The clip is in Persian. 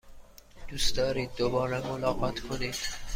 دوست دارید دوباره ملاقات کنید؟